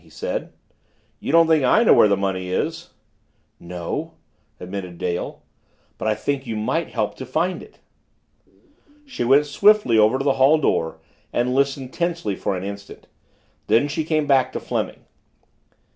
he said. "You don't think I know where the money is?" "No," admitted Dale, "but I think you might help to find it." She went swiftly over to the hall door and listened tensely for an instant. Then she came back to Fleming.